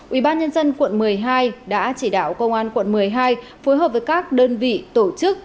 ubnd quận một mươi hai đã chỉ đạo công an quận một mươi hai phối hợp với các đơn vị tổ chức